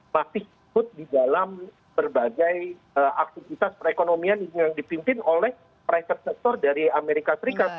masih ikut di dalam berbagai aktivitas perekonomian yang dipimpin oleh private sector dari amerika serikat